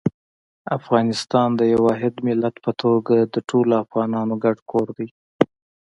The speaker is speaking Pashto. افغانستان د یو واحد ملت په توګه د ټولو افغانانو ګډ کور دی.